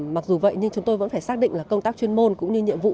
mặc dù vậy nhưng chúng tôi vẫn phải xác định là công tác chuyên môn cũng như nhiệm vụ